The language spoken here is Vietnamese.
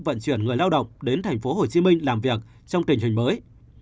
vận chuyển người lao động đến tp hcm làm việc trong tình hình mới